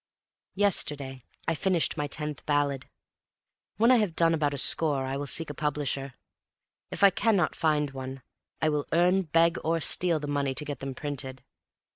Yesterday I finished my tenth ballad. When I have done about a score I will seek a publisher. If I cannot find one, I will earn, beg or steal the money to get them printed.